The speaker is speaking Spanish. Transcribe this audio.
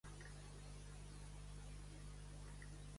Los cantantes en el salón de fiestas son "Cliff Richard Jr.